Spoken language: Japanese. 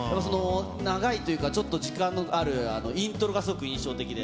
長いというか、ちょっと時間のある、イントロがすごく印象的で。